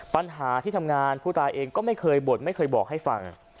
ปัญหาที่ทำงานผู้ตายเองก็ไม่เคยบ่นไม่เคยบอกให้ฟัง